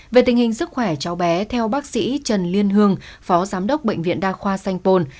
về tình hình sức khỏe cháu bé theo bác sĩ trần liên hương phó giám đốc bệnh viện đa khoa sanh pôn